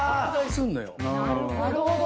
なるほど。